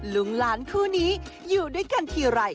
ลุงหลานคู่นี้อยู่ด้วยกันทีไร